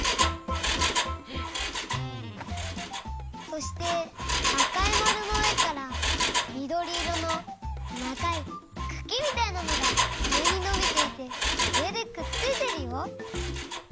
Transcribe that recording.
そしてあかいまるのうえからみどりいろのながいくきみたいなのがうえにのびていてうえでくっついてるよ。